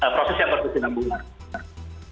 proses yang berkesinambungan